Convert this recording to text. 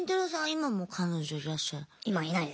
今も彼女いらっしゃらない？